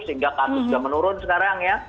sehingga kasus sudah menurun sekarang ya